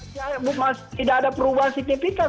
tidak ada perubahan signifikan